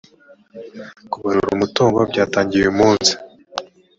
kubarura umutungo byatangiye uyu munsi